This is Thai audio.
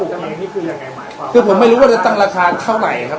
ทำไมนี่คือยังไงหมายความคือผมไม่รู้ว่าจะตั้งราคาเท่าไหร่ครับ